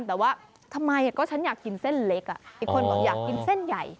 แต่ว่าทำไมก็ฉันอยากกินเส้นเล็กอีกคนบอกอยากกินเส้นใหญ่